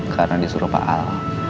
karena disuruh pak al